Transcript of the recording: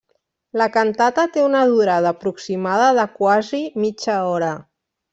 La cantata té una durada aproximada de quasi mitja hora.